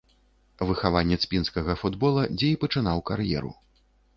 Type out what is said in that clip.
Выхаванец пінскага футбола, дзе і пачынаў кар'еру.